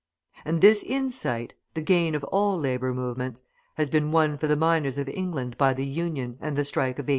And this insight, the gain of all labour movements, has been won for all the miners of England by the Union and the strike of 1844.